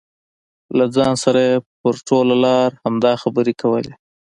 له ځان سره یې په ټوله لار همدا خبرې کولې.